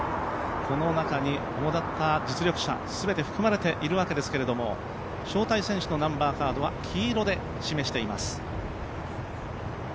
この中に、主立った実力者全て含まれているわけですけども招待選手のナンバーカードは黄色で示しています。